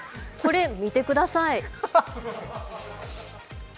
これ見てください。